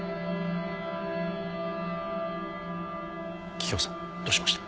桔梗さんどうしました？